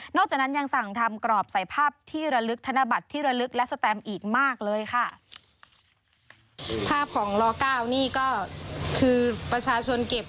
จากนั้นยังสั่งทำกรอบใส่ภาพที่ระลึกธนบัตรที่ระลึกและสแตมอีกมากเลยค่ะ